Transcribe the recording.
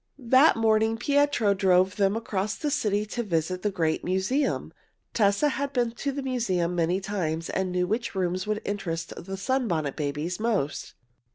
That morning Pietro drove them across the city to visit the great museum. Tessa had been to the museum many times, and knew which rooms would interest the Sunbonnet Babies most.